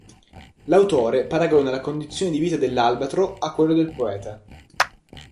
L'autore paragona la condizione di vita dell'albatro a quella del poeta.